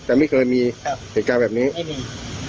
แต่ไม่เคยมีครับเหตุการณ์แบบนี้ไม่มี